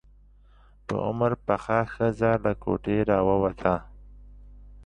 په عمر پخه ښځه له کوټې راووته.